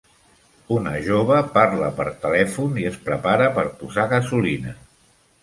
Una jove parla per telèfon i es prepara per posar gasolina.